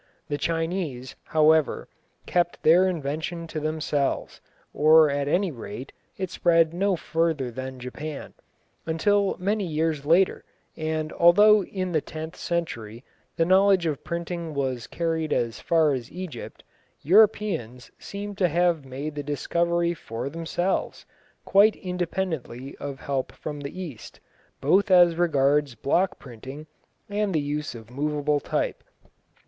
The Chinese, however, kept their invention to themselves, or at any rate it spread no further than Japan, until many years later; and although in the tenth century the knowledge of printing was carried as far as Egypt, Europeans seem to have made the discovery for themselves, quite independently of help from the East, both as regards block printing and the use of moveable type.